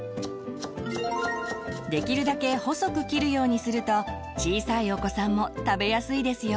できるだけ細く切るようにすると小さいお子さんも食べやすいですよ。